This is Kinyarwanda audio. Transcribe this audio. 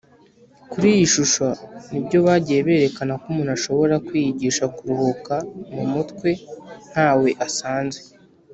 kuri iyi shusho ni byo bagiye berekana ko umuntu ashobora kwiyigisha kuruhuka mumutwentawe asanze.